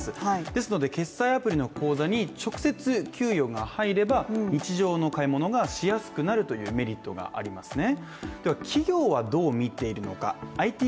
ですので、決済アプリの口座に直接給与が入れば日常の買い物がしやすくなるというメリットがありますね。